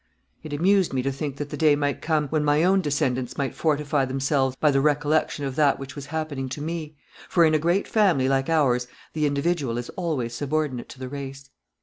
It amused me to think that the day might come when my own descendants might fortify themselves by the recollection of that which was happening to me, for in a great family like ours the individual is always subordinate to the race.